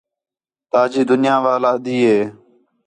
تاجی دُنیا وا علاحدی ہِے